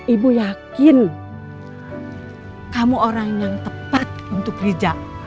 ibu yakin kamu orang yang tepat untuk rijak